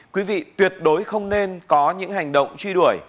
quý vị tuyệt đối không nên có những hành động truy đuổi